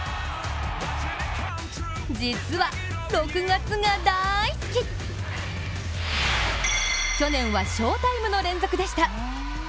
実は６月が大好き去年は翔タイムの連続でした。